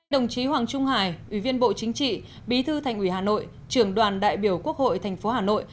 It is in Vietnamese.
đồng chí hoàng trung hải ủy viên bộ chính trị bí thư thành ủy hà nội trường đoàn đại biểu quốc hội tp hà nội